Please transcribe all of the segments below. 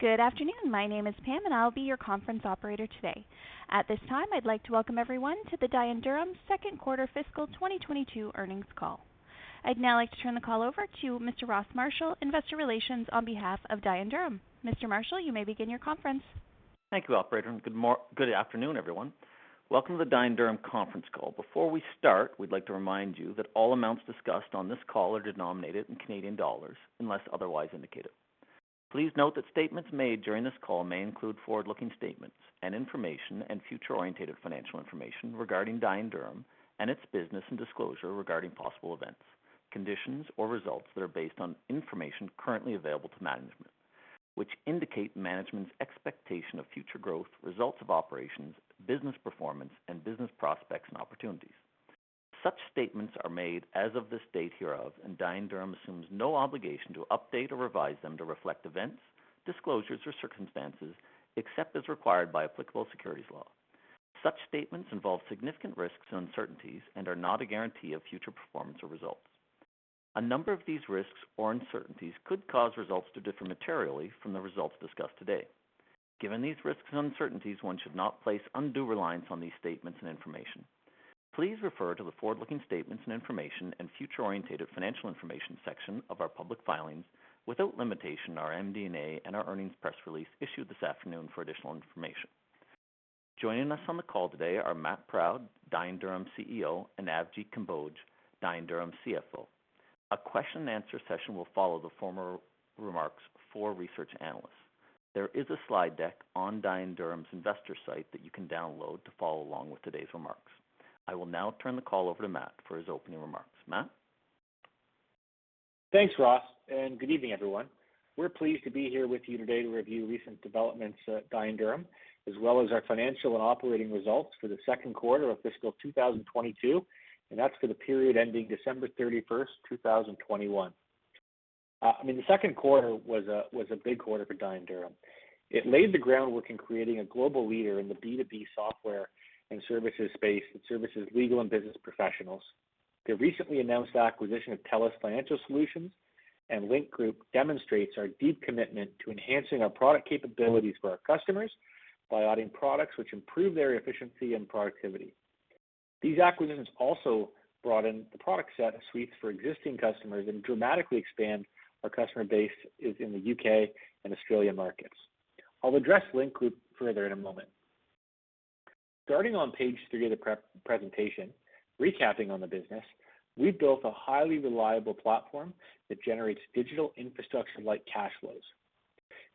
Good afternoon. My name is Pam, and I'll be your conference operator today. At this time, I'd like to welcome everyone to the Dye & Durham second quarter fiscal 2022 earnings call. I'd now like to turn the call over to Mr. Ross Marshall, investor relations on behalf of Dye & Durham. Mr. Marshall, you may begin your conference. Thank you, operator, and good afternoon, everyone. Welcome to the Dye & Durham conference call. Before we start, we'd like to remind you that all amounts discussed on this call are denominated in Canadian dollars unless otherwise indicated. Please note that statements made during this call may include forward-looking statements and information and future-oriented financial information regarding Dye & Durham and its business and disclosure regarding possible events, conditions, or results that are based on information currently available to management, which indicate management's expectation of future growth, results of operations, business performance, and business prospects and opportunities. Such statements are made as of this date hereof, and Dye & Durham assumes no obligation to update or revise them to reflect events, disclosures, or circumstances except as required by applicable securities law. Such statements involve significant risks and uncertainties and are not a guarantee of future performance or results. A number of these risks or uncertainties could cause results to differ materially from the results discussed today. Given these risks and uncertainties, one should not place undue reliance on these statements and information. Please refer to the forward-looking statements and information and future-oriented financial information section of our public filings without limitation, our MD&A, and our earnings press release issued this afternoon for additional information. Joining us on the call today are Matt Proud, Dye & Durham CEO, and Avjit Kamboj, Dye & Durham CFO. A question and answer session will follow the formal remarks for research analysts. There is a slide deck on Dye & Durham's investor site that you can download to follow along with today's remarks. I will now turn the call over to Matt for his opening remarks. Matt? Thanks, Ross, and good evening, everyone. We're pleased to be here with you today to review recent developments at Dye & Durham, as well as our financial and operating results for the second quarter of fiscal 2022, and that's for the period ending December 31st, 2021. I mean, the second quarter was a big quarter for Dye & Durham. It laid the groundwork in creating a global leader in the B2B software and services space that services legal and business professionals. The recently announced acquisition of TELUS Financial Solutions and Link Group demonstrates our deep commitment to enhancing our product capabilities for our customers by adding products which improve their efficiency and productivity. These acquisitions also broaden the product suites for existing customers and dramatically expand our customer base in the U.K. and Australian markets. I'll address Link Group further in a moment. Starting on page three of the prep presentation, recapping on the business, we've built a highly reliable platform that generates digital infrastructure-like cash flows.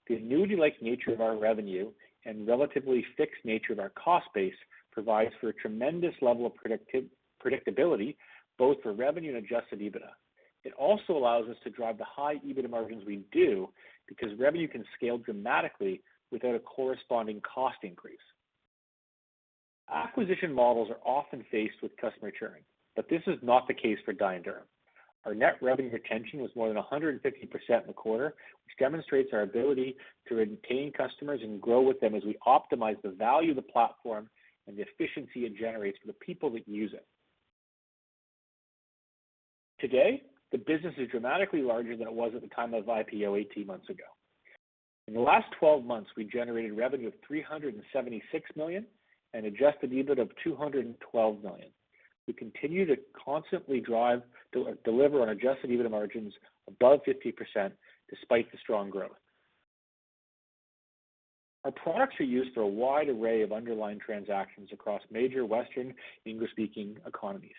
The annuity-like nature of our revenue and relatively fixed nature of our cost base provides for a tremendous level of predictability, both for revenue and adjusted EBITDA. It also allows us to drive the high EBITDA margins we do because revenue can scale dramatically without a corresponding cost increase. Acquisition models are often faced with customer churn, but this is not the case for Dye & Durham. Our net revenue retention was more than 150% in the quarter, which demonstrates our ability to retain customers and grow with them as we optimize the value of the platform and the efficiency it generates for the people that use it. Today, the business is dramatically larger than it was at the time of IPO 18 months ago. In the last 12 months, we generated revenue of 376 million and adjusted EBIT of 212 million. We continue to constantly drive, deliver on adjusted EBIT margins above 50% despite the strong growth. Our products are used for a wide array of underlying transactions across major Western English-speaking economies.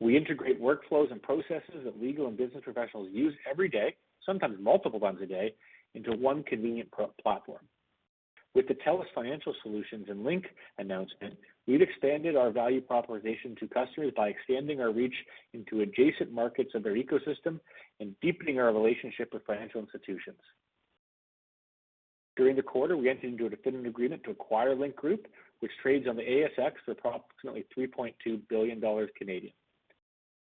We integrate workflows and processes that legal and business professionals use every day, sometimes multiple times a day, into one convenient platform. With the TELUS Financial Solutions and Link announcement, we've expanded our value proposition to customers by extending our reach into adjacent markets of their ecosystem and deepening our relationship with financial institutions. During the quarter, we entered into a definitive agreement to acquire Link Group, which trades on the ASX for approximately 3.2 billion Canadian dollars.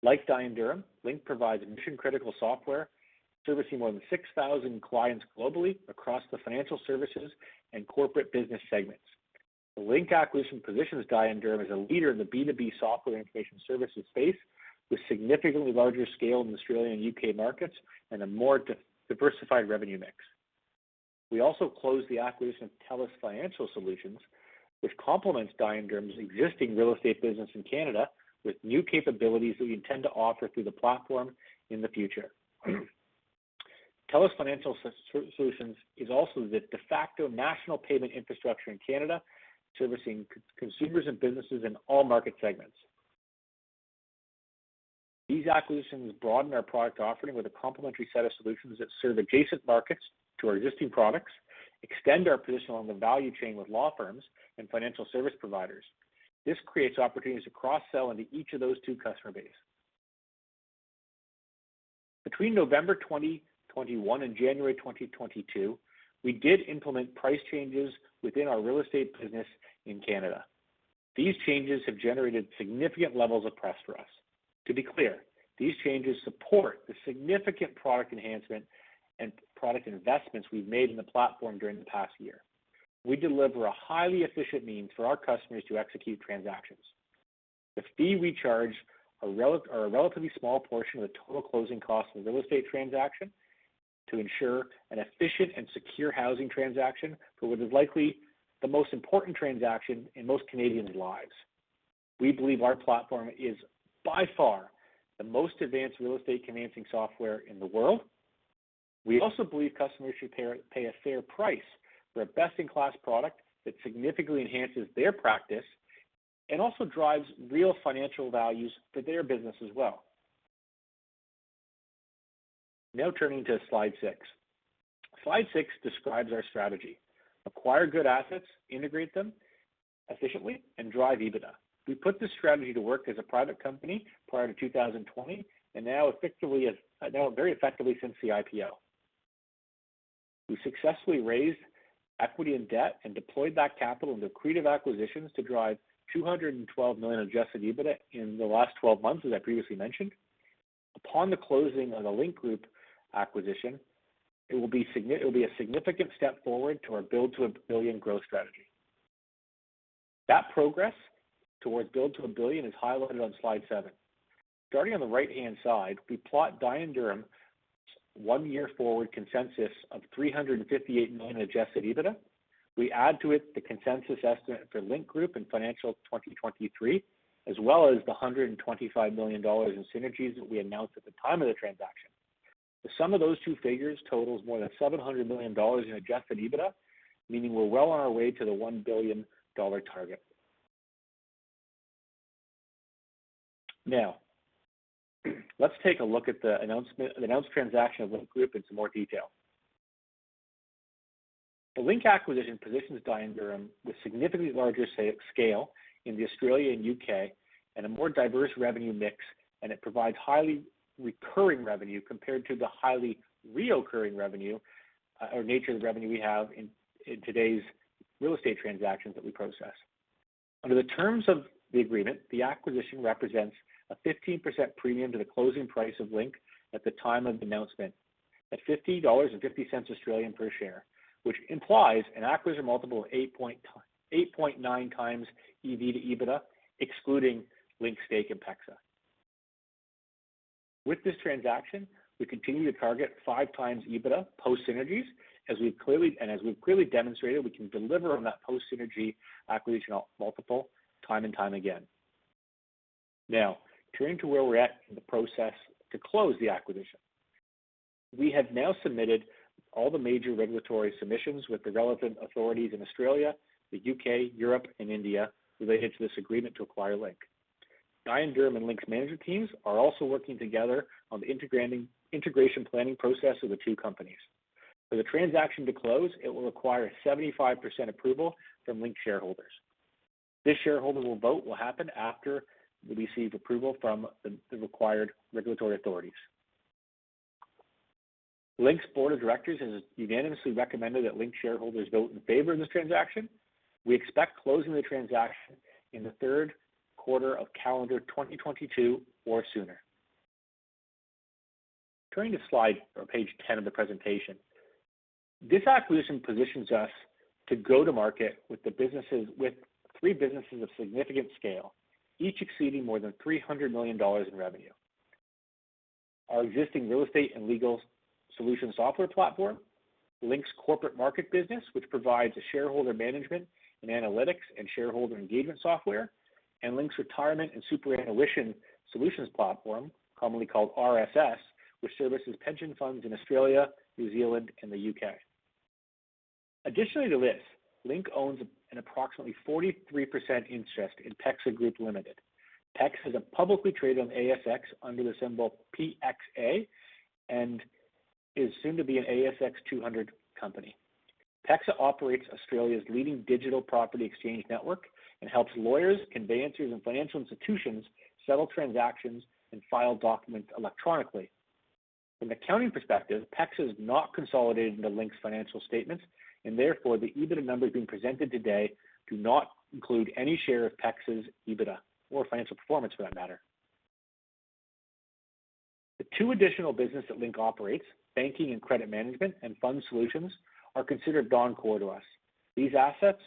Like Dye & Durham, Link provides mission-critical software servicing more than 6,000 clients globally across the financial services and corporate business segments. The Link acquisition positions Dye & Durham as a leader in the B2B software information services space with significantly larger scale in Australian and U.K. markets and a more diversified revenue mix. We also closed the acquisition of TELUS Financial Solutions, which complements Dye & Durham's existing real estate business in Canada with new capabilities that we intend to offer through the platform in the future. TELUS Financial Solutions is also the de facto national payment infrastructure in Canada, servicing consumers and businesses in all market segments. These acquisitions broaden our product offering with a complementary set of solutions that serve adjacent markets to our existing products, extend our position on the value chain with law firms and financial service providers. This creates opportunities to cross-sell into each of those two-customer base. Between November 2021 and January 2022, we did implement price changes within our real estate business in Canada. These changes have generated significant levels of press for us. To be clear, these changes support the significant product enhancement and product investments we've made in the platform during the past year. We deliver a highly efficient means for our customers to execute transactions. The fee we charge are a relatively small portion of the total closing cost of a real estate transaction to ensure an efficient and secure housing transaction for what is likely the most important transaction in most Canadians' lives. We believe our platform is by far the most advanced real estate financing software in the world. We also believe customers should pay a fair price for a best-in-class product that significantly enhances their practice and also drives real financial values for their business as well. Now turning to slide six. Slide six describes our strategy. Acquire good assets, integrate them efficiently, and drive EBITDA. We put this strategy to work as a private company prior to 2020 and now very effectively since the IPO. We successfully raised equity and debt and deployed that capital into accretive acquisitions to drive 212 million adjusted EBITDA in the last twelve months, as I previously mentioned. Upon the closing of the Link Group acquisition, it will be a significant step forward to our Build to a Billion growth strategy. That progress towards Build to a Billion is highlighted on slide seven. Starting on the right-hand side, we plot Dye & Durham's one-year forward consensus of 358 million adjusted EBITDA. We add to it the consensus estimate for Link Group in financial 2023, as well as the 125 million dollars in synergies that we announced at the time of the transaction. The sum of those two figures totals more than 700 million dollars in adjusted EBITDA, meaning we're well on our way to the 1 billion dollar target. Now, let's take a look at the announced transaction of Link Group in some more detail. The Link acquisition positions Dye & Durham with significantly larger scale in Australia and the U.K. and a more diverse revenue mix, and it provides highly recurring revenue compared to the highly recurring revenue or nature of the revenue we have in today's real estate transactions that we process. Under the terms of the agreement, the acquisition represents a 15% premium to the closing price of Link at the time of the announcement at 50.50 Australian dollars per share, which implies an acquisition multiple of 8.9x EV/EBITDA, excluding Link's stake in PEXA. With this transaction, we continue to target 5x EBITDA post synergies as we've clearly demonstrated, we can deliver on that post-synergy acquisition multiple time and time again. Now, turning to where we're at in the process to close the acquisition. We have now submitted all the major regulatory submissions with the relevant authorities in Australia, the U.K., Europe, and India related to this agreement to acquire Link. Dye & Durham and Link's management teams are also working together on the integration planning process of the two companies. For the transaction to close, it will require 75% approval from Link shareholders. This shareholder vote will happen after we receive approval from the required regulatory authorities. Link's board of directors has unanimously recommended that Link shareholders vote in favor of this transaction. We expect closing the transaction in the third quarter of calendar 2022 or sooner. Turning to slide or page 10 of the presentation. This acquisition positions us to go to market with three businesses of significant scale, each exceeding more than 300 million dollars in revenue. Our existing real estate and legal solutions software platform, Link's Corporate Markets business, which provides a shareholder management and analytics and shareholder engagement software, and Link's Retirement and Superannuation Solutions platform, commonly called RSS, which services pension funds in Australia, New Zealand, and the UK. In addition to this, Link owns an approximately 43% interest in PEXA Group Limited. PEXA is publicly traded on ASX under the symbol PXA and is soon to be an ASX 200 company. PEXA operates Australia's leading digital property exchange network and helps lawyers, conveyancers, and financial institutions settle transactions and file documents electronically. From an accounting perspective, PEXA is not consolidated into Link's financial statements, and therefore the EBITDA numbers being presented today do not include any share of PEXA's EBITDA or financial performance for that matter. The two additional businesses that Link operates, Banking and Credit Management and Fund Solutions, are considered non-core to us. These assets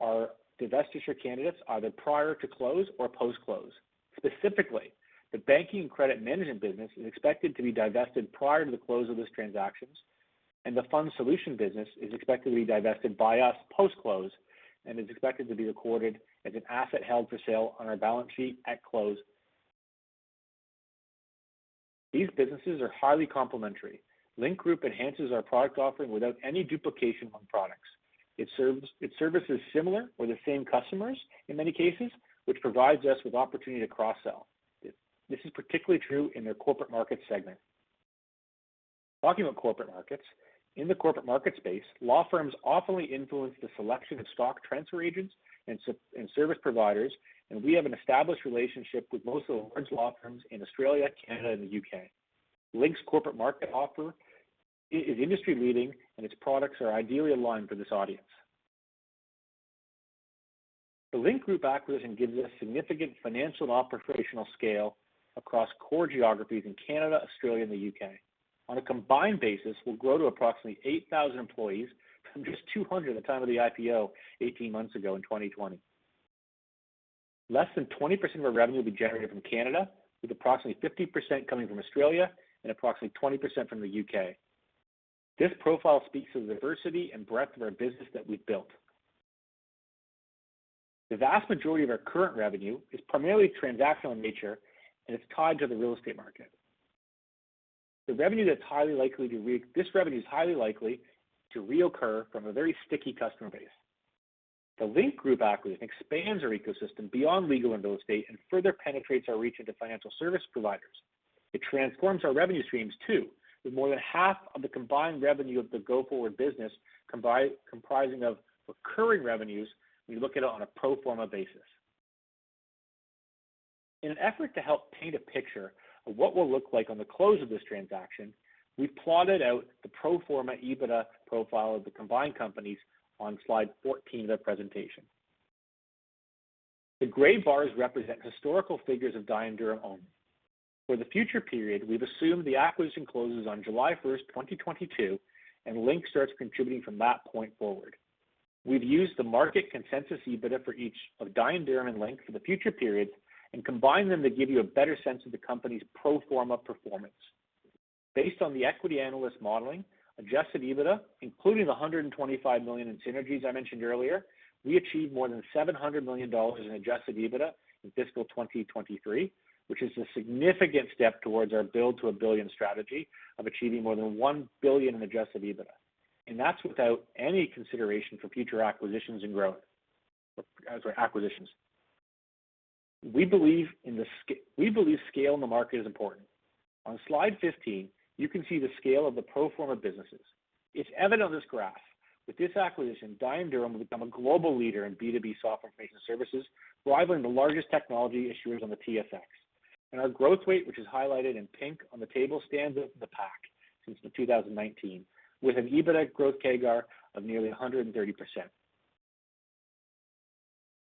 are divestiture candidates either prior to close or post-close. Specifically, the Banking and Credit Management business is expected to be divested prior to the close of this transaction, and the Fund Solutions business is expected to be divested by us post-close and is expected to be recorded as an asset held for sale on our balance sheet at close. These businesses are highly complementary. Link Group enhances our product offering without any duplication on products. It services similar or the same customers in many cases, which provides us with opportunity to cross-sell. This is particularly true in their Corporate Markets segment. Talking about Corporate Markets, in the Corporate Markets space, law firms often influence the selection of stock transfer agents and service providers, and we have an established relationship with most of the large law firms in Australia, Canada, and the U.K. Link Group's Corporate Markets offer is industry-leading, and its products are ideally aligned for this audience. The Link Group acquisition gives us significant financial and operational scale across core geographies in Canada, Australia, and the U.K. On a combined basis, we'll grow to approximately 8,000 employees from just 200 at the time of the IPO eighteen months ago in 2020. Less than 20% of our revenue will be generated from Canada, with approximately 50% coming from Australia and approximately 20% from the U.K. This profile speaks to the diversity and breadth of our business that we've built. The vast majority of our current revenue is primarily transactional in nature, and it's tied to the real estate market. This revenue is highly likely to reoccur from a very sticky customer base. The Link Group acquisition expands our ecosystem beyond legal and real estate and further penetrates our reach into financial service providers. It transforms our revenue streams, too, with more than half of the combined revenue of the go-forward business comprising of recurring revenues, we look at it on a pro forma basis. In an effort to help paint a picture of what we'll look like on the close of this transaction, we plotted out the pro forma EBITDA profile of the combined companies on slide 14 of the presentation. The gray bars represent historical figures of Dye & Durham only. For the future period, we've assumed the acquisition closes on July 1st, 2022, and Link starts contributing from that point forward. We've used the market consensus EBITDA for each of Dye & Durham and Link for the future period and combined them to give you a better sense of the company's pro forma performance. Based on the equity analyst modeling, adjusted EBITDA, including the 125 million in synergies I mentioned earlier, we achieve more than 700 million dollars in adjusted EBITDA in fiscal 2023, which is a significant step towards our Build to a Billion strategy of achieving more than 1 billion in adjusted EBITDA. That's without any consideration for future acquisitions and growth, or acquisitions. We believe scale in the market is important. On slide 15, you can see the scale of the pro forma businesses. It's evident on this graph, with this acquisition, Dye & Durham will become a global leader in B2B software information services, rivaling the largest technology issuers on the TSX. Our growth rate, which is highlighted in pink on the table, stands out from the pack since 2019, with an EBITDA growth CAGR of nearly 130%.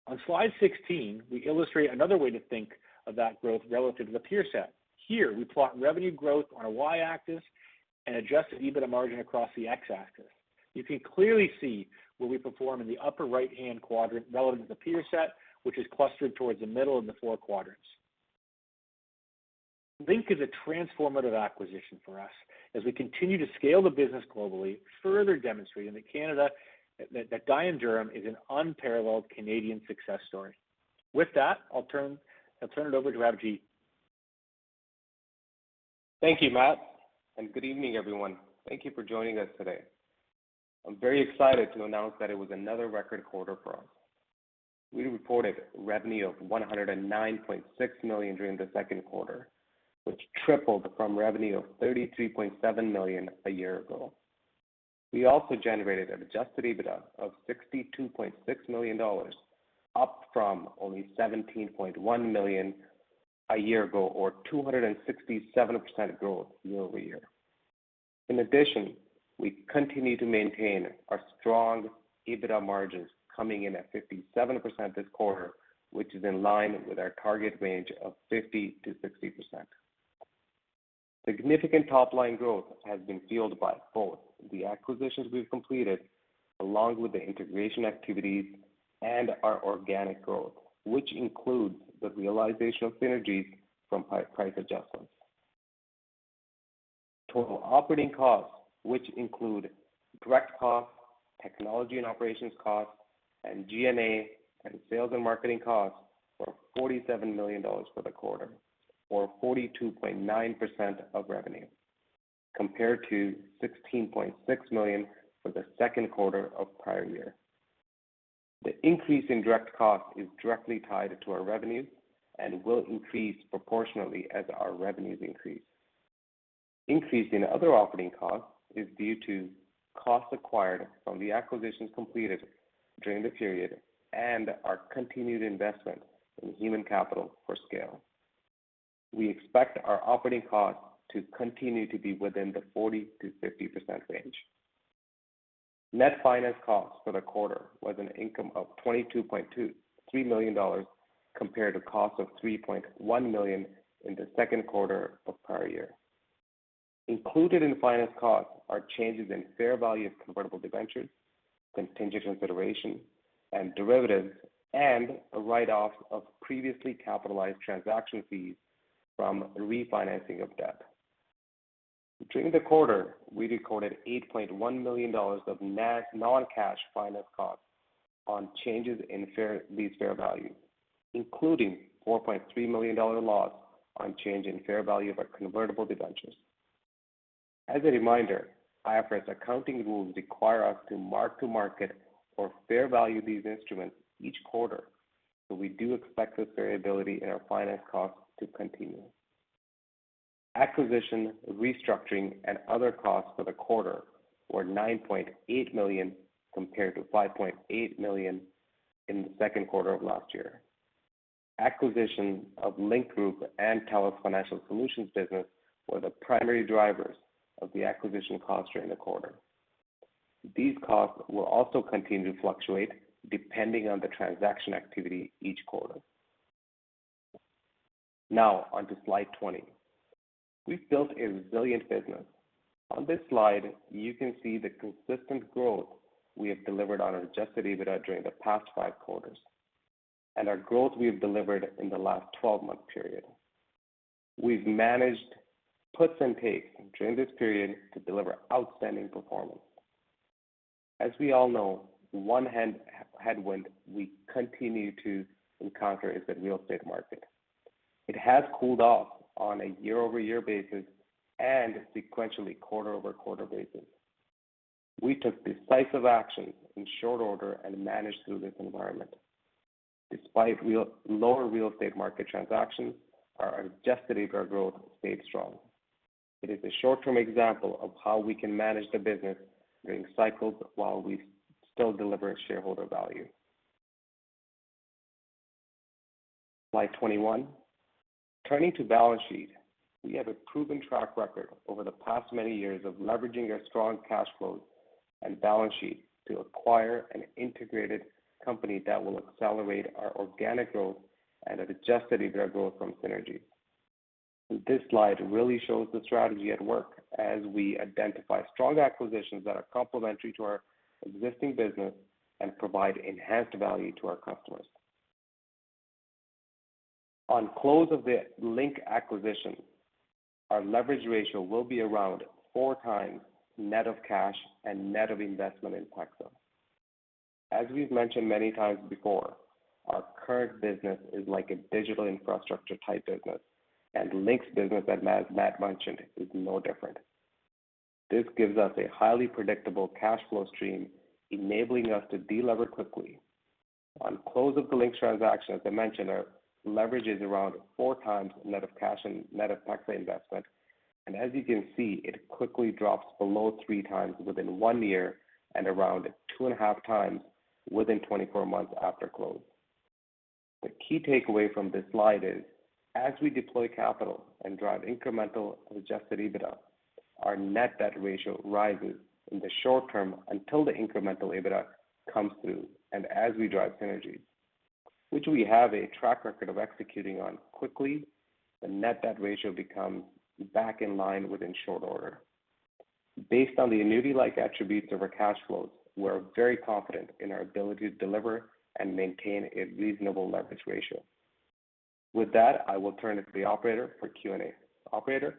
On slide 16, we illustrate another way to think of that growth relative to the peer set. Here, we plot revenue growth on our Y-axis and adjusted EBITDA margin across the X-axis. You can clearly see where we perform in the upper right-hand quadrant relative to the peer set, which is clustered towards the middle of the four quadrants. Link is a transformative acquisition for us as we continue to scale the business globally, further demonstrating that Dye & Durham is an unparalleled Canadian success story. With that, I'll turn it over to Avjit. Thank you, Matt, and good evening, everyone. Thank you for joining us today. I'm very excited to announce that it was another record quarter for us. We reported revenue of 109.6 million during the second quarter, which tripled from revenue of 33.7 million a year ago. We also generated adjusted EBITDA of 62.6 million dollars, up from only 17.1 million a year ago or 267% growth year-over-year. In addition, we continue to maintain our strong EBITDA margins coming in at 57% this quarter, which is in line with our target range of 50%-60%. Significant top-line growth has been fueled by both the acquisitions we've completed along with the integration activities and our organic growth, which includes the realization of synergies from price adjustments. Total operating costs, which include direct costs, technology and operations costs, and G&A and sales and marketing costs, were 47 million dollars for the quarter or 42.9% of revenue, compared to 16.6 million for the second quarter of prior year. The increase in direct costs is directly tied to our revenue and will increase proportionately as our revenues increase. Increase in other operating costs is due to costs acquired from the acquisitions completed during the period and our continued investment in human capital for scale. We expect our operating costs to continue to be within the 40%-50% range. Net finance costs for the quarter was an income of 22.23 million dollars compared to cost of 3.1 million in the second quarter of prior year. Included in finance costs are changes in fair value of convertible debentures, contingent consideration, and derivatives, and a write-off of previously capitalized transaction fees from refinancing of debt. During the quarter, we recorded 8.1 million dollars of non-cash finance costs on changes in these fair values, including 4.3 million dollar loss on change in fair value of our convertible debentures. As a reminder, IFRS accounting rules require us to mark-to-market or fair value these instruments each quarter, so we do expect this variability in our finance costs to continue. Acquisition, restructuring, and other costs for the quarter were 9.8 million compared to 5.8 million in the second quarter of last year. Acquisition of Link Group and TELUS Financial Solutions business were the primary drivers of the acquisition costs during the quarter. These costs will also continue to fluctuate depending on the transaction activity each quarter. Now on to slide 20. We've built a resilient business. On this slide, you can see the consistent growth we have delivered on adjusted EBITDA during the past five quarters, and our growth we have delivered in the last 12-month period. We've managed puts and takes during this period to deliver outstanding performance. As we all know, one headwind we continue to encounter is the real estate market. It has cooled off on a year-over-year basis and sequentially quarter-over-quarter basis. We took decisive action in short order and managed through this environment. Despite lower real estate market transactions, our adjusted EBITDA growth stayed strong. It is a short-term example of how we can manage the business during cycles while we still deliver shareholder value. Slide 21. Turning to balance sheet. We have a proven track record over the past many years of leveraging our strong cash flows and balance sheet to acquire an integrated company that will accelerate our organic growth and adjusted EBITDA growth from synergy. This slide really shows the strategy at work as we identify strong acquisitions that are complementary to our existing business and provide enhanced value to our customers. On close of the Link acquisition, our leverage ratio will be around 4x net of cash and net of investment in PEXA. As we've mentioned many times before, our current business is like a digital infrastructure type business, and Link's business, as Matt mentioned, is no different. This gives us a highly predictable cash flow stream, enabling us to delever quickly. On close of the Link transaction, as I mentioned, our leverage is around 4x net of cash and net of PEXA investment. As you can see, it quickly drops below 3x within one year and around 2.5x within 24 months after close. The key takeaway from this slide is, as we deploy capital and drive incremental adjusted EBITDA, our net debt ratio rises in the short term until the incremental EBITDA comes through. As we drive synergies, which we have a track record of executing on quickly, the net debt ratio becomes back in line within short order. Based on the annuity-like attributes of our cash flows, we're very confident in our ability to deliver and maintain a reasonable leverage ratio. With that, I will turn it to the operator for Q&A. Operator.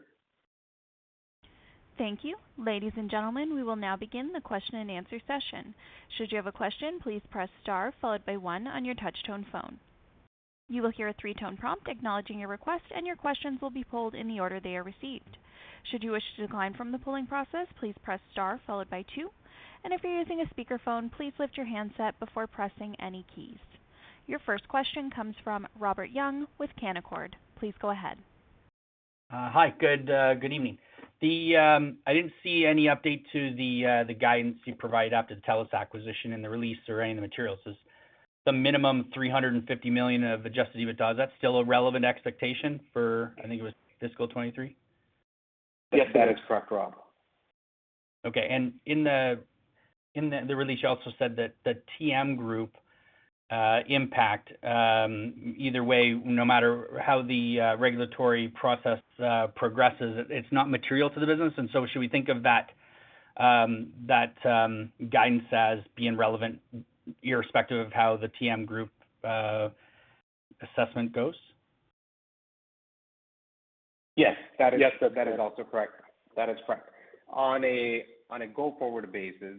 Thank you. Ladies and gentlemen, we will now begin the question-and-answer session. Should you have a question, please press star followed by one on your touch-tone phone. You will hear a three-tone prompt acknowledging your request, and your questions will be pulled in the order they are received. Should you wish to decline from the polling process, please press star followed by two. If you're using a speakerphone, please lift your handset before pressing any keys. Your first question comes from Robert Young with Canaccord. Please go ahead. Hi. Good evening. I didn't see any update to the guidance you provided after the TELUS acquisition and the release or any of the materials. The minimum 350 million of adjusted EBITDA, is that still a relevant expectation for, I think it was fiscal 2023? Yes, that is correct, Rob. Okay. In the release, you also said that the TM Group impact, either way, no matter how the regulatory process progresses, it's not material to the business. Should we think of that guidance as being relevant, irrespective of how the TM Group assessment goes? Yes. That is also correct. On a go-forward basis,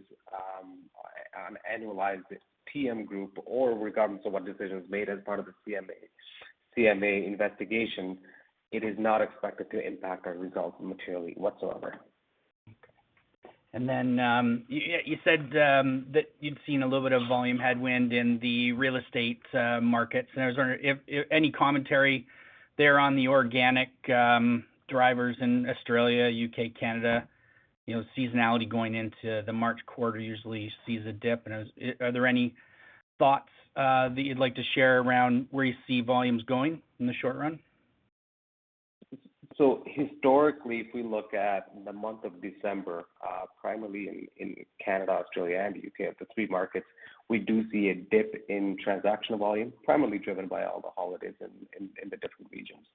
on annualized TM Group or regardless of what decision is made as part of the CMA investigation, it is not expected to impact our results materially whatsoever. Okay. You said that you'd seen a little bit of volume headwind in the real estate markets. I was wondering if any commentary there on the organic drivers in Australia, U.K., Canada, you know, seasonality going into the March quarter usually sees a dip. Are there any thoughts that you'd like to share around where you see volumes going in the short run? Historically, if we look at the month of December, primarily in Canada, Australia, and the U.K., the three markets, we do see a dip in transactional volume, primarily driven by all the holidays in the different regions.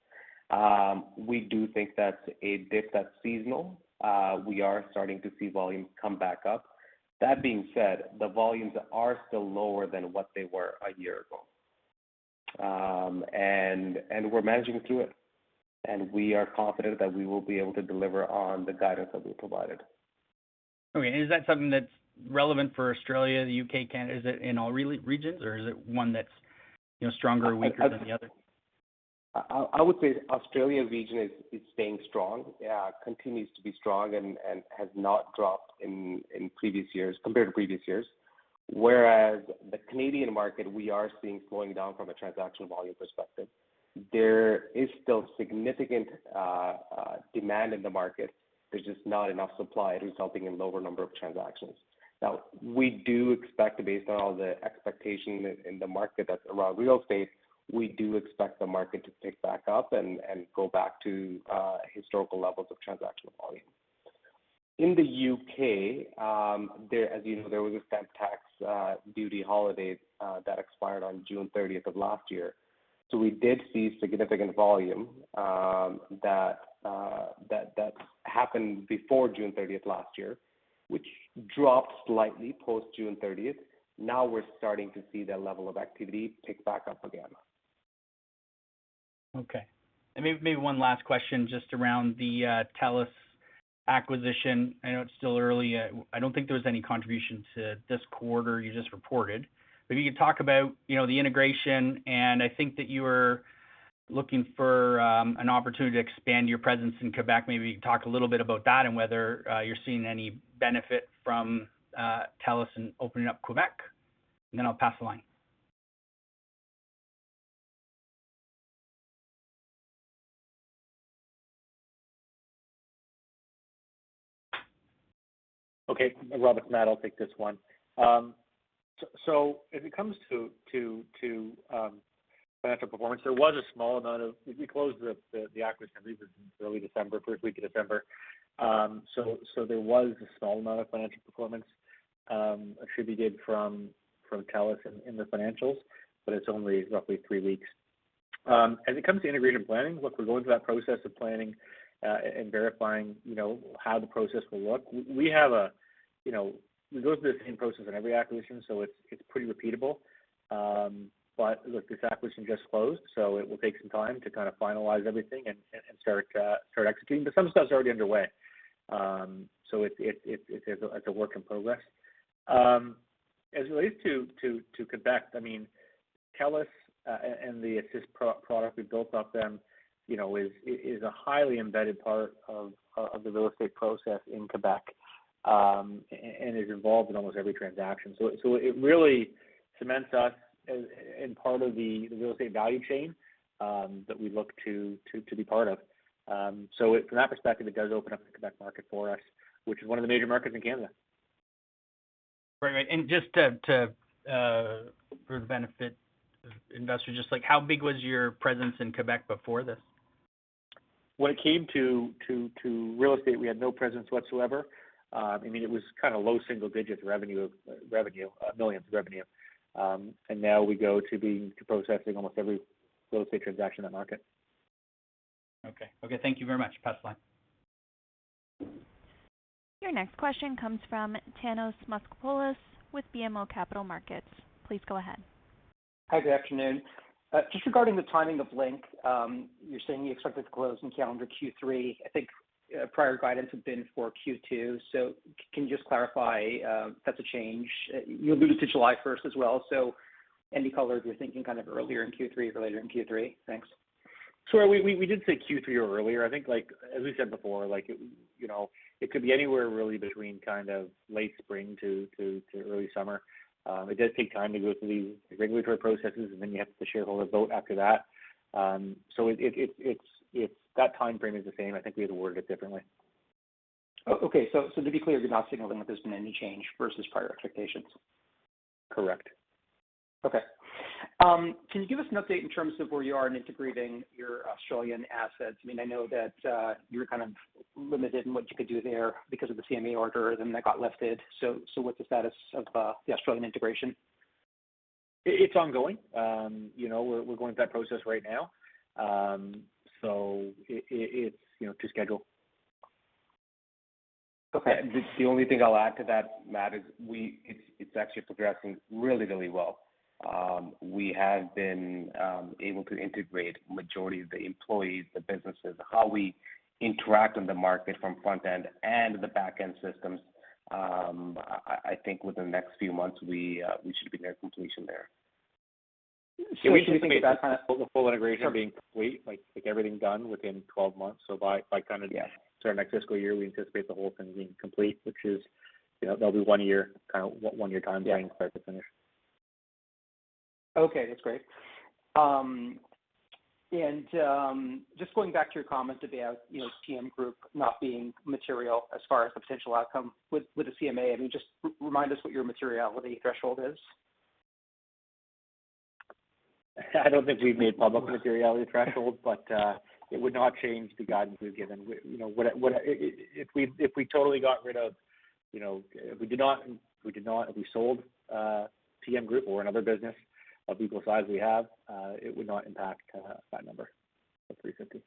We do think that's a dip that's seasonal. We are starting to see volumes come back up. That being said, the volumes are still lower than what they were a year ago. We're managing through it, and we are confident that we will be able to deliver on the guidance that we provided. Okay. Is that something that's relevant for Australia, the U.K., Canada? Is it in all regions, or is it one that's, you know, stronger or weaker than the other? I would say Australia region is staying strong, continues to be strong and has not dropped in previous years, compared to previous years. Whereas the Canadian market, we are seeing slowing down from a transactional volume perspective. There is still significant demand in the market. There's just not enough supply, resulting in lower number of transactions. Now, we do expect, based on all the expectation in the market around real estate, we do expect the market to pick back up and go back to historical levels of transactional volume. In the U.K., as you know, there was a stamp duty holiday that expired on June thirtieth of last year. So we did see significant volume that happened before June 13th last year, which dropped slightly post June thirtieth. Now we're starting to see that level of activity pick back up again. Okay. Maybe one last question just around the TELUS acquisition. I know it's still early. I don't think there was any contribution to this quarter you just reported. If you could talk about, you know, the integration, and I think that you were looking for an opportunity to expand your presence in Quebec, maybe talk a little bit about that and whether you're seeing any benefit from TELUS in opening up Quebec. Then I'll pass the line. Okay. Robert, Matt, I'll take this one. If it comes to financial performance, there was a small amount of, we closed the acquisition in early December, first week of December. There was a small amount of financial performance attributed from TELUS in the financials, but it's only roughly three weeks. As it comes to integration planning, look, we're going through that process of planning and verifying, you know, how the process will look. We have a, you know, we go through the same process in every acquisition, so it's pretty repeatable. Look, this acquisition just closed, so it will take some time to kind of finalize everything and start executing. Some stuff's already underway. It's a work in progress. As it relates to Quebec, I mean, TELUS, and the Assyst product we built off them, you know, is a highly embedded part of the real estate process in Quebec, and is involved in almost every transaction. It really cements us in part of the real estate value chain that we look to be part of. From that perspective, it does open up the Quebec market for us, which is one of the major markets in Canada. Right. Right. Just to for the benefit of investors, just like how big was your presence in Quebec before this? When it came to real estate, we had no presence whatsoever. I mean, it was kind of low single digit millions of revenue. Now we go to processing almost every real estate transaction in that market. Okay. Okay, thank you very much. Pass the line. Your next question comes from Thanos Moschopoulos with BMO Capital Markets. Please go ahead. Hi, good afternoon. Just regarding the timing of Link, you're saying you expect it to close in calendar Q3. I think, prior guidance had been for Q2. Can you just clarify if that's a change? You alluded to July first as well. Any color if you're thinking kind of earlier in Q3 or later in Q3? Thanks. Sure. We did say Q3 or earlier. I think like, as we said before, like it, you know, it could be anywhere really between kind of late spring to early summer. It does take time to go through these regulatory processes, and then you have the shareholder vote after that. So it's that timeframe is the same. I think we had worded it differently. To be clear, you're not signaling that there's been any change versus prior expectations? Correct. Okay. Can you give us an update in terms of where you are in integrating your Australian assets? I mean, I know that you were kind of limited in what you could do there because of the CMA order, then that got lifted. What's the status of the Australian integration? It's ongoing. You know, we're going through that process right now. It's you know to schedule. Okay. The only thing I'll add to that, Matt, is it's actually progressing really well. We have been able to integrate majority of the employees, the businesses, how we interact on the market from front end and the back end systems. I think within the next few months, we should be near completion there. We think that timeline of the full integration being complete, like everything done within 12 months. By kind of- Yeah Sort of next fiscal year, we anticipate the whole thing being complete, which is, you know, that'll be one year, kind of one year timeline start to finish. Okay, that's great. Just going back to your comment about, you know, TM Group not being material as far as the potential outcome with the CMA, I mean, just remind us what your materiality threshold is. I don't think we've made public the materiality threshold, but it would not change the guidance we've given. You know, if we sold TM Group or another business of equal size we have, it would not impact that number of 350.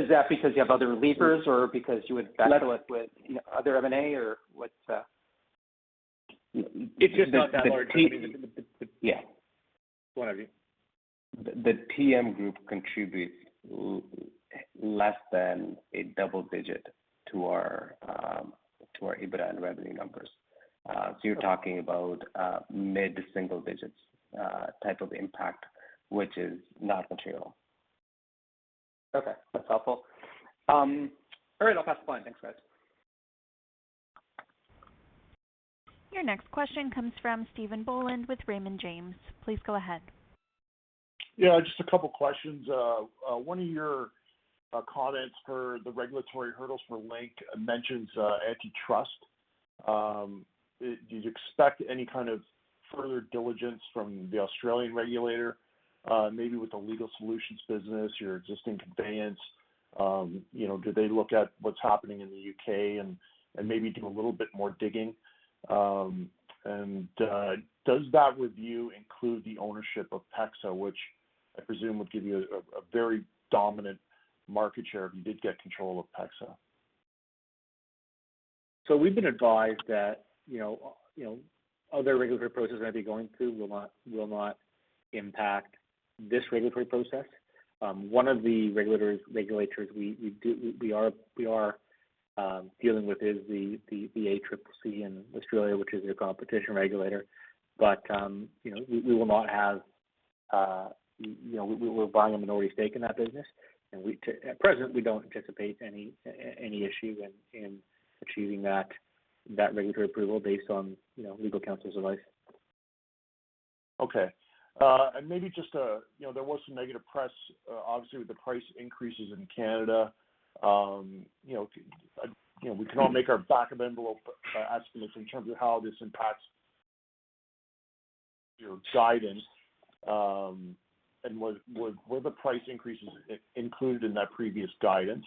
Is that because you have other relievers or because you would backfill it with other M&A or what's? It's just not that large. I mean, Yeah. Go on Avjit The TM Group contributes less than a double digit to our EBITDA and revenue numbers. You're talking about mid to single digits type of impact, which is not material. Okay, that's helpful. All right, I'll pass the line. Thanks, guys. Your next question comes from Stephen Boland with Raymond James. Please go ahead. Yeah, just a couple questions. One of your comments for the regulatory hurdles for Link mentions antitrust. Do you expect any kind of further diligence from the Australian regulator, maybe with the legal solutions business, your existing conveyancing? Do they look at what's happening in the U.K. and maybe do a little bit more digging? Does that review include the ownership of PEXA, which I presume would give you a very dominant market share if you did get control of PEXA? We've been advised that other regulatory processes we're going to be going through will not impact this regulatory process. One of the regulators we are dealing with is the ACCC in Australia, which is your competition regulator. We're buying a minority stake in that business. At present, we don't anticipate any issue in achieving that regulatory approval based on legal counsel's advice. Okay. Maybe just, you know, there was some negative press, obviously with the price increases in Canada. You know, we can all make our back-of-the-envelope estimates in terms of how this impacts your guidance. Were the price increases included in that previous guidance?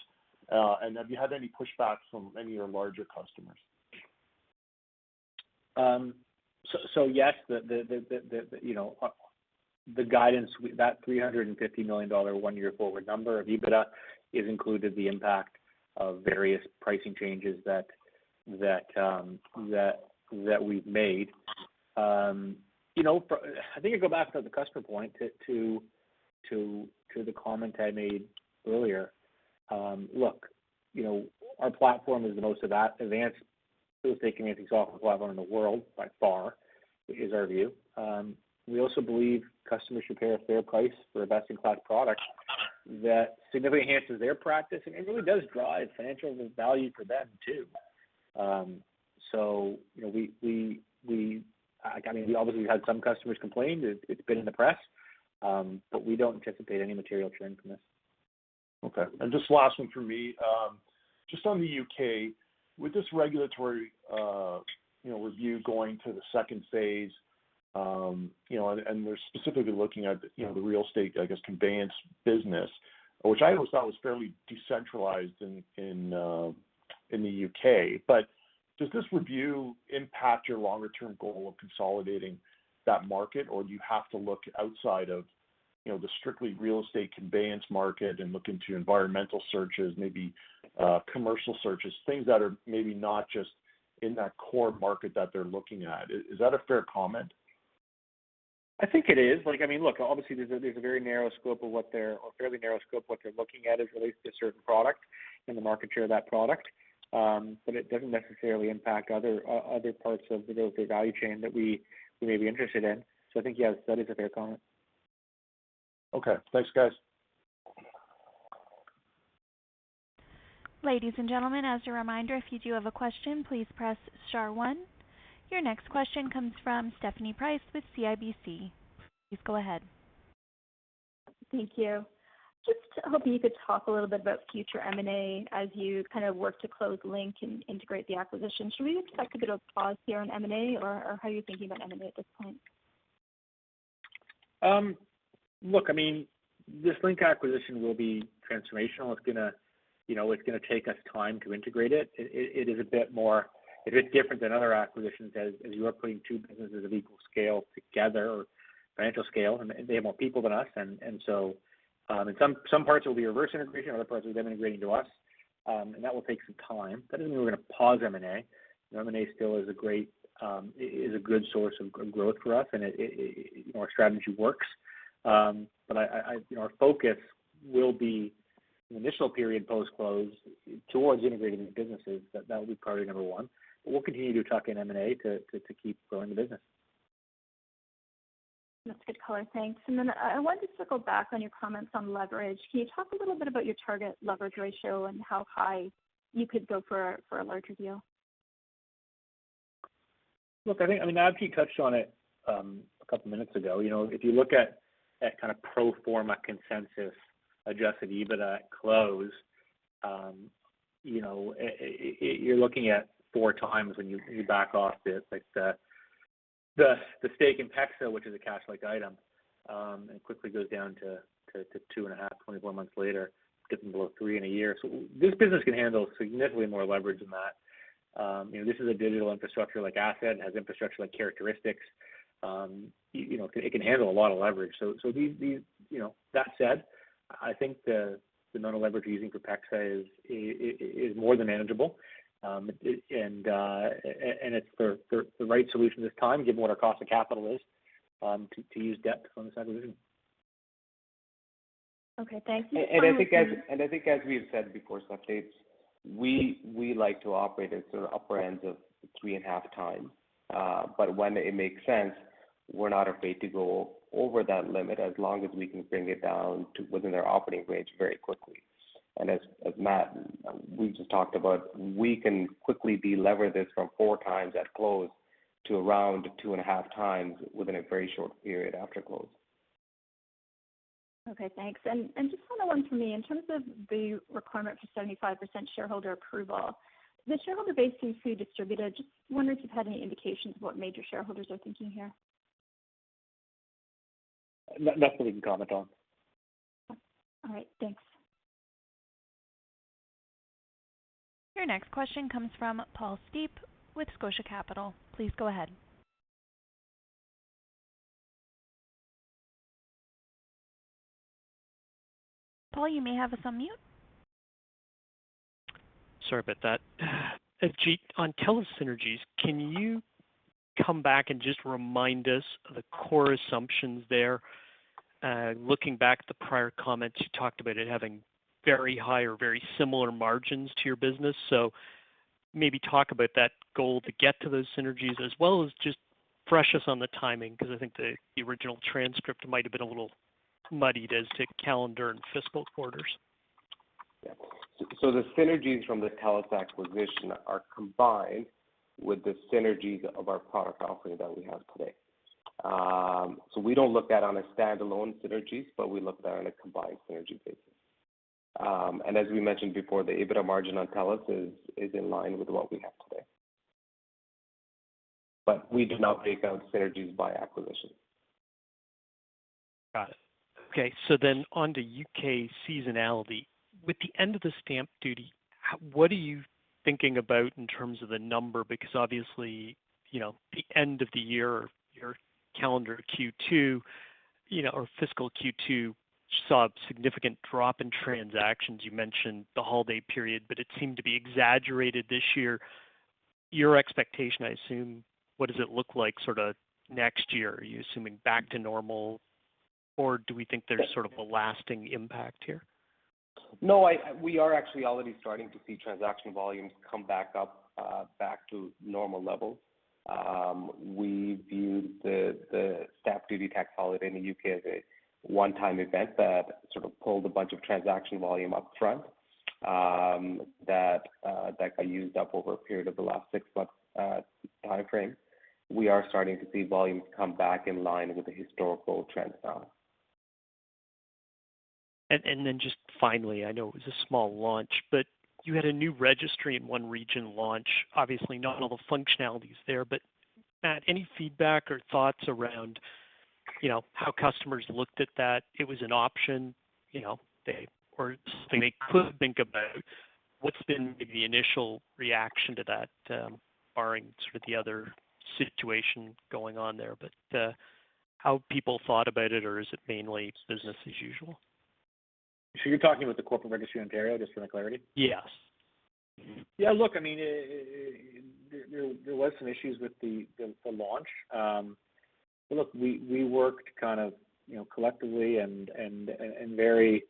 Have you had any pushbacks from any of your larger customers? Yes. The guidance, that 350 million dollar one-year forward number of EBITDA includes the impact of various pricing changes that we've made. You know, I think I go back to the customer point to the comment I made earlier. Look, you know, our platform is the most advanced real estate conveyancing software in the world by far, is our view. We also believe customers should pay a fair price for a best-in-class product that significantly enhances their practice, and it really does drive financial value for them, too. You know, I mean, we obviously had some customers complain. It's been in the press, but we don't anticipate any material churn from this. Okay. Just last one from me. Just on the U.K., with this regulatory, you know, review going to the second phase, you know, and they're specifically looking at, you know, the real estate, I guess, conveyance business, which I always thought was fairly decentralized in the U.K. But does this review impact your longer-term goal of consolidating that market? Or do you have to look outside of, you know, the strictly real estate conveyance market and look into environmental searches, maybe, commercial searches, things that are maybe not just in that core market that they're looking at? Is that a fair comment? I think it is. Like, I mean, look, obviously, there's a very narrow scope, or fairly narrow scope, of what they're looking at is related to a certain product and the market share of that product. But it doesn't necessarily impact other parts of the value chain that we may be interested in. I think, yes, that is a fair comment. Okay. Thanks, guys. Ladies and gentlemen, as a reminder, if you do have a question, please press star one. Your next question comes from Stephanie Price with CIBC. Please go ahead. Thank you. Just hoping you could talk a little bit about future M&A as you kind of work to close Link and integrate the acquisition. Should we expect a bit of pause here on M&A or how are you thinking about M&A at this point? Look, I mean, this Link acquisition will be transformational. It's gonna, you know, take us time to integrate it. It is a bit more, it is different than other acquisitions as you are putting two businesses of equal scale together, or financial scale. They have more people than us. Some parts will be reverse integration, other parts will be them integrating to us. That will take some time. That doesn't mean we're gonna pause M&A. M&A still is a good source of growth for us, and our strategy works. Our focus will be, in the initial period post-close, towards integrating the businesses. That will be priority number one. We'll continue to track in M&A to keep growing the business. That's good color. Thanks. Then I wanted to circle back on your comments on leverage. Can you talk a little bit about your target leverage ratio and how high you could go for a larger deal? Look, I mean, Abhi touched on it a couple minutes ago. You know, if you look at that kind of pro forma consensus adjusted EBITDA at close, you know, you're looking at 4x when you back off like the stake in PEXA, which is a cash-like item, and quickly goes down to 2.5 24 months later, getting below 3 in a year. This business can handle significantly more leverage than that. You know, this is a digital infrastructure like Assyst has infrastructure-like characteristics. You know, it can handle a lot of leverage. So these. That said, I think the amount of leverage we're using for PEXA is more than manageable. It's the right solution this time given what our cost of capital is to use debt on this acquisition. Okay. Thanks. I think. I think. I think as we have said before some updates, we like to operate at sort of upper ends of 3.5x. But when it makes sense, we're not afraid to go over that limit as long as we can bring it down to within our operating range very quickly. As Matt just talked about, we can quickly de-leverage this from 4x at close to around 2.5x within a very short period after close. Okay, thanks. Just one other one for me. In terms of the requirement for 75% shareholder approval, the shareholder base is pretty distributed. Just wondering if you've had any indications of what major shareholders are thinking here. Nothing we can comment on. All right, thanks. Your next question comes from Paul Steep with Scotia Capital. Please go ahead. Paul, you may have us on mute. Sorry about that. Jeet, on TELUS synergies, can you come back and just remind us of the core assumptions there? Looking back at the prior comments, you talked about it having very high or very similar margins to your business. Maybe talk about that goal to get to those synergies as well as just refresh us on the timing because I think the original transcript might have been a little muddied as to calendar and fiscal quarters. Yeah. The synergies from the TELUS acquisition are combined with the synergies of our product offering that we have today. We don't look at on a standalone synergies, but we look at it on a combined synergy basis. As we mentioned before, the EBITDA margin on TELUS is in line with what we have today. We do not break out synergies by acquisition. Got it. Okay. On the U.K. seasonality, with the end of the stamp duty, what are you thinking about in terms of the number? Because obviously, you know, the end of the year, your calendar Q2, you know, or fiscal Q2 saw a significant drop in transactions. You mentioned the holiday period, but it seemed to be exaggerated this year. Your expectation, I assume, what does it look like sorta next year? Are you assuming back to normal, or do we think there's sort of a lasting impact here? No, we are actually already starting to see transaction volumes come back up, back to normal levels. We view the stamp duty tax holiday in the U.K. as a one-time event that sort of pulled a bunch of transaction volume upfront, that got used up over a period of the last six months, timeframe. We are starting to see volumes come back in line with the historical trends now. Just finally, I know it was a small launch, but you had a new registry in one region launch, obviously not all the functionalities there. Matt, any feedback or thoughts around, you know, how customers looked at that? It was an option, you know, they or something they could think about. What's been the initial reaction to that, barring sort of the other situation going on there, but how people thought about it or is it mainly business as usual? You're talking about the corporate registry in Ontario, just for the clarity? Yes. Yeah, look, I mean, there was some issues with the launch. We worked kind of, you know, collectively and very,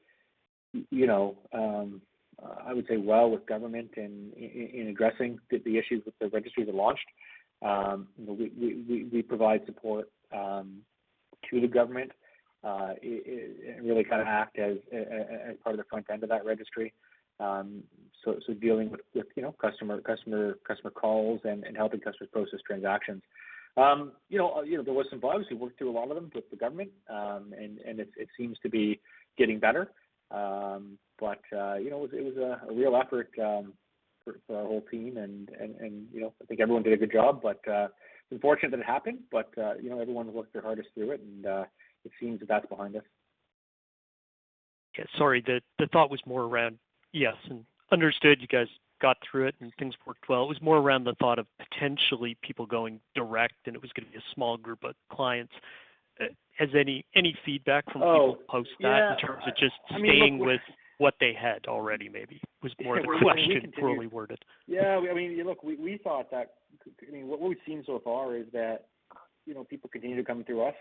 you know, I would say well with government in addressing the issues with the registry that launched. We provide support to the government and really kind of act as part of the front end of that registry, dealing with you know, customer calls and helping customers process transactions. You know, there was some bugs. We worked through a lot of them with the government, and it seems to be getting better. You know, it was a real effort for our whole team and you know, I think everyone did a good job. It was unfortunate that it happened, but you know, everyone worked their hardest through it, and it seems that that's behind us. Okay, sorry. The thought was more around. Yes, understood you guys got through it and things worked well. It was more around the thought of potentially people going direct, and it was gonna be a small group of clients. Has any feedback from people post that? Oh, yeah. In terms of just staying with what they had already, maybe that was more the question, poorly worded. Yeah. I mean, look, we thought that I mean, what we've seen so far is that, you know, people continue to come through us.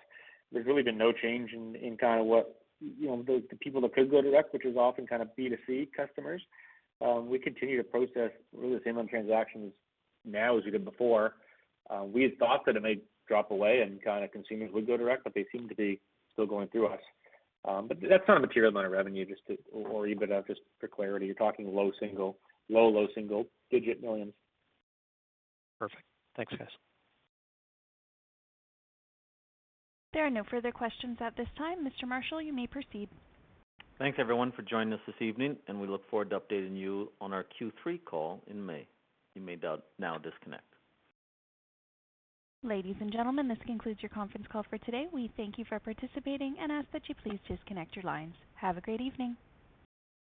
There's really been no change in kind of what, you know, the people that could go direct, which is often kind of B2C customers. We continue to process really the same amount of transactions now as we did before. We had thought that it may drop away and kind of consumers would go direct, but they seem to be still going through us. But that's not a material amount of revenue just to or EBITDA just for clarity. You're talking low single digit millions. Perfect. Thanks, guys. There are no further questions at this time. Mr. Marshall, you may proceed. Thanks everyone for joining us this evening, and we look forward to updating you on our Q3 call in May. You may now disconnect. Ladies and gentlemen, this concludes your conference call for today. We thank you for participating and ask that you please disconnect your lines. Have a great evening.